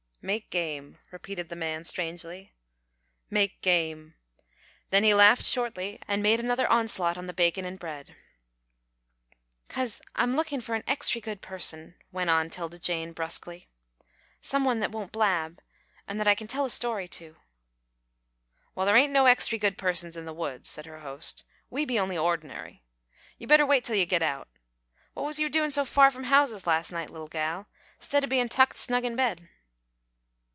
"Make game," repeated the man, strangely, "make game," then he laughed shortly, and made another onslaught on the bacon and bread. "'Cause I'm lookin' for an extry good person," went on 'Tilda Jane, brusquely. "Some one that won't blab, an' that I kin tell a story to." "Well, thar ain't no extry good persons in the woods," said her host, "we be only ordinary. You better wait till you git out. What was you doin' so far from houses last night, leetle gal, 'stead o' bein' tucked snug in bed?"